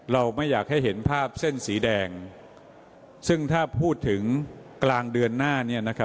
เราไม่อยากให้เห็นภาพเส้นสีแดง